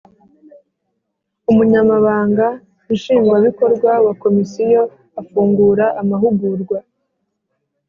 Umunyamabanga nshingwabikorwa wa Komisiyo afungura amahugurwa